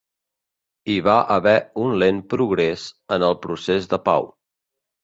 Hi va haver un lent progrés en el procés de pau.